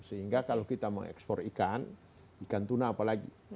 sehingga kalau kita mengekspor ikan ikan tuna apa lagi